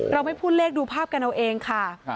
เราไม่พูดเลขดูภาพกันเอาเองค่ะ